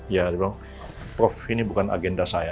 ya dia bilang prof ini bukan agenda saya